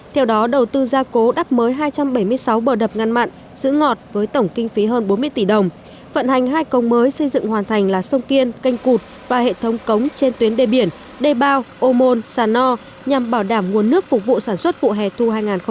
theo đó đầu tư gia cố đắp mới hai trăm bảy mươi sáu bờ đập ngăn mặn giữ ngọt với tổng kinh phí hơn bốn mươi tỷ đồng vận hành hai công mới xây dựng hoàn thành là sông kiên canh cụt và hệ thống cống trên tuyến đê biển đê bao ô môn sà no nhằm bảo đảm nguồn nước phục vụ sản xuất vụ hè thu hai nghìn hai mươi